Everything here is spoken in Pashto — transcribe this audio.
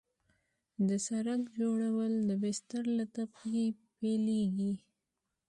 د سرک جوړول د بستر له طبقې پیلیږي